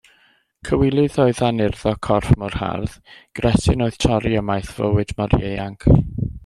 Cywilydd oedd anurddo corff mor hardd; gresyn oedd torri ymaith fywyd mor ieuanc.